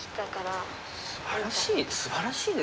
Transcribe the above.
すばらしい。